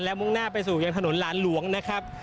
มุ่งหน้าไปสู่ยังถนนหลานหลวงนะครับ